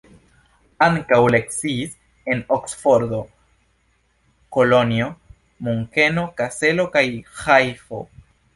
Ankaŭ lekciis en Oksfordo, Kolonjo, Munkeno, Kaselo kaj Ĥajfo.